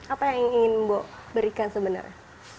apa yang ingin ibu berikan sebenarnya